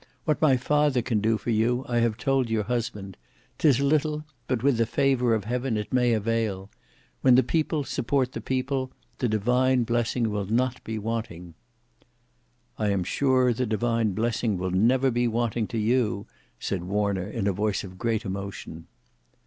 What my father can do for you, I have told your husband. 'Tis little; but with the favour of heaven, it may avail. When the people support the people, the divine blessing will not be wanting." "I am sure the divine blessing will never be wanting to you," said Warner in a voice of great emotion.